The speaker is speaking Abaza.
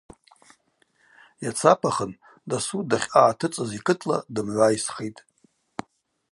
Йацапахын дасу дахьъагӏатыцӏыз йкытла дымгӏвайсхитӏ.